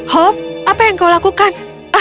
hope apa yang kau lakukan